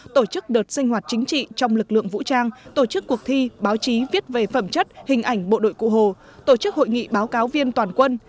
tổ chức đợt sinh hoạt chính trị trong lực lượng vũ trang tổ chức cuộc thi báo chí viết về phẩm chất hình ảnh bộ đội cụ hồ tổ chức hội nghị báo cáo viên toàn quân